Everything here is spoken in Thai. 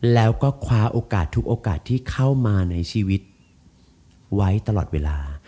แล้วก็คว้าโอกาสทุกโอกาสที่เข้ามาในชีวิตไว้ตลอดเวลา